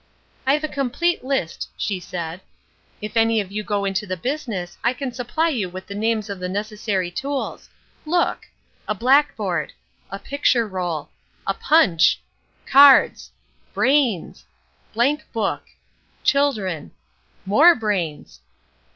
"I've a complete list," she said. "If any of you go into the business I can supply you with the names of the necessary tools. Look! "A blackboard. "A picture roll. "A punch! "Cards. "Brains! "Blank book. "Children. "More brains!